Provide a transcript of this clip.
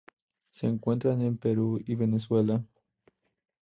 Se encuentra en Perú y Venezuela.